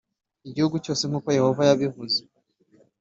igihugu cyose nk uko Yehova yabivuze